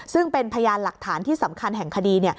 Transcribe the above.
ซึ่งเป็นพยานหลักฐานที่สำคัญแห่งคดี